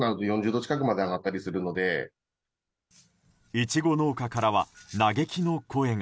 イチゴ農家からは嘆きの声が。